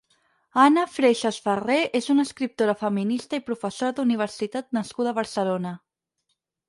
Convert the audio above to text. Anna Freixas Farré és una escriptora feminista i professora d'universitat nascuda a Barcelona.